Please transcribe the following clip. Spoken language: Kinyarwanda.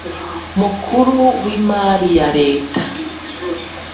Mukuru w imari ya leta